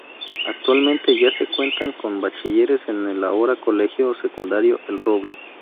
Actualmente ya se cuentan con Bachilleres en el ahora Colegio Secundario El Roble.